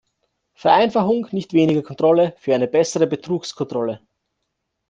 Vereinfachung, nicht weniger Kontrolle, für eine bessere Betrugskontrolle.